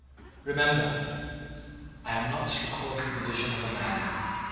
Remember, I am not recording the vision of a madman.